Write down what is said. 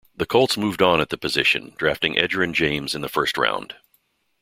The Colts moved on at the position, drafting Edgerrin James in the first round.